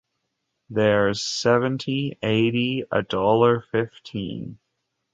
There's seventy, eighty, a dollar fifteen.